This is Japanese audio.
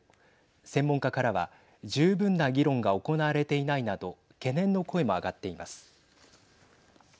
専門家からは、十分な議論が行われていないなど懸念の声も上がっています。